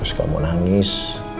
terus kamu nangis